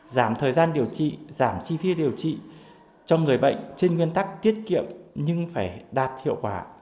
giảm thời gian điều trị giảm chi phí điều trị cho người bệnh trên nguyên tắc tiết kiệm nhưng phải đạt hiệu quả